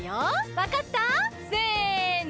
わかった？せの。